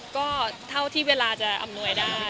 ก็เท่าที่เวลาจะอำนวยได้